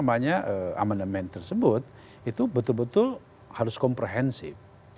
apa namanya aman demen tersebut itu betul betul harus komprehensif